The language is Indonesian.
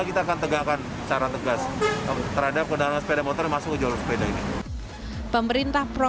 kita akan tegakkan secara tegas terhadap kendaraan sepeda motor yang masuk ke jalur sepeda ini pemerintah